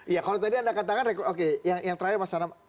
ya kalau tadi anda katakan oke yang terakhir mas anam